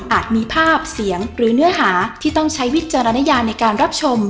มีภาพเสียงหรือเนื้อหาที่ต้องใช้วิจารณญาในการรับชม